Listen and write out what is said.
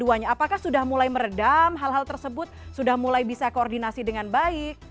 apakah sudah mulai meredam hal hal tersebut sudah mulai bisa koordinasi dengan baik